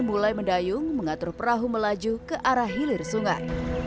mulai mendayung mengatur perahu melaju ke arah hilir sungai